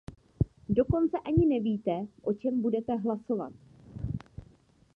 Dokonce ani nevíte, o čem budete hlasovat.